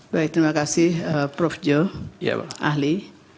baik terima kasih prof jo ahli